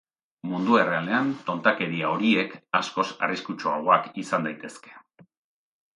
Mundu errealean, tontakeria horiek askoz arriskutsuagoak izan daitezke.